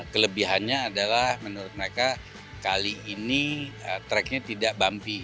kelebihannya adalah menurut mereka kali ini tracknya tidak bumpy